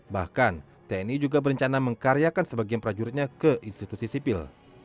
bahkan tni juga berencana mengkaryakan sebagian prajuritnya ke institusi sipil